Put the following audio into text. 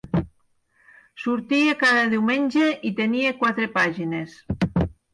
Sortia cada diumenge i tenia quatre pàgines.